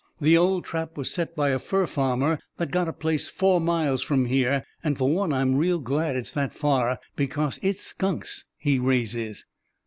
The old trap was set by a fur farmer that's got a place four miles from here—and for one I'm real glad it is that far, because it's skunks he raises."